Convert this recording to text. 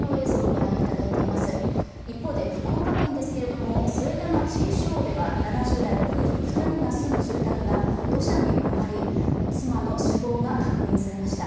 一方で福岡県ですけれども、添田町庄では７０代の夫婦２人が住む住宅が土砂に埋まり、妻の死亡が確認されました。